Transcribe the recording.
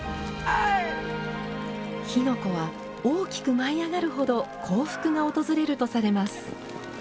火の粉は大きく舞い上がるほど幸福が訪れるとされます。